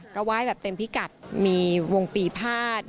ก็ไหว้แบบเต็มพิกัดมีวงปีภาษณ์